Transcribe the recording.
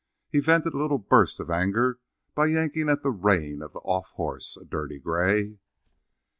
He vented a little burst of anger by yanking at the rein of the off horse, a dirty gray.